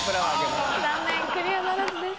残念クリアならずです。